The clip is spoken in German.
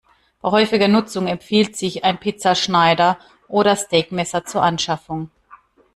Bei häufiger Nutzung empfiehlt sich ein Pizzaschneider oder Steakmesser zur Anschaffung.